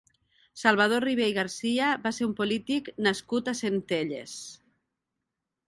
Salvador Ribé i Garcia va ser un polític nascut a Centelles.